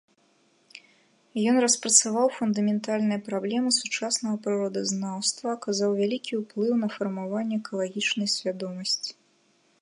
Ён распрацаваў фундаментальныя праблемы сучаснага прыродазнаўства, аказаў вялікі ўплыў на фармаванне экалагічнай свядомасці.